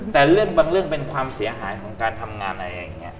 แต่เรื่องบางเรื่องเป็นความเสียหายของการทำงานอะไรอย่างนี้